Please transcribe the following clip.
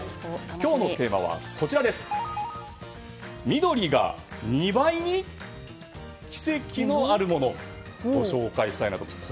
今日のテーマは緑が２倍に奇跡のあるものをご紹介したいと思います。